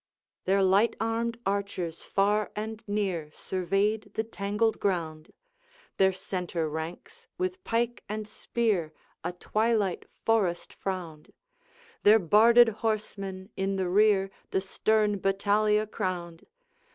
'Their light armed archers far and near Surveyed the tangled ground, Their centre ranks, with pike and spear, A twilight forest frowned, Their barded horsemen in the rear The stern battalia crowned.